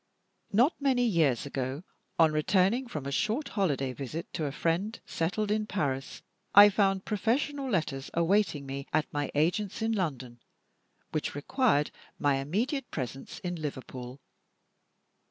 Not many years ago, on returning from a short holiday visit to a friend settled in Paris, I found professional letters awaiting me at my agent's in London, which required my immediate presence in Liverpool.